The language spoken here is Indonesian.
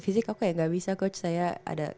fisik aku kayak gak bisa coach saya ada